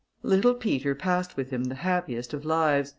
Little Peter passed with him the happiest of lives.